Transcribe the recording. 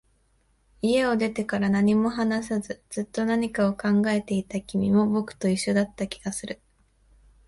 家を出てから、何も話さず、ずっと何かを考えていた君も、僕と一緒だった気がする